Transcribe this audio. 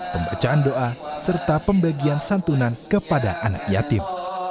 pembacaan doa serta pembagian santunan kepada anak yatim